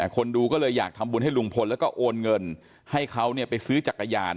คนดูก็เลยอยากทำบุญให้ลุงพลแล้วก็โอนเงินให้เขาไปซื้อจักรยาน